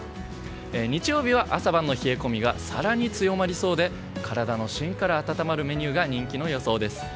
日曜日は朝晩の冷え込みが更に強まりそうで体の芯から温まるメニューが人気の予想です。